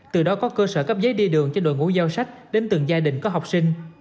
từ đó có cơ sở cấp giấy đi đường cho đội ngũ giao sách đến từng gia đình có học sinh